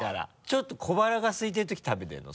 ちょっと小腹がすいてるとき食べてるの？